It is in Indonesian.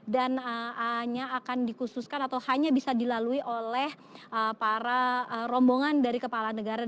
dan hanya akan dikhususkan atau hanya bisa dilalui oleh para rombongan dari kepala negara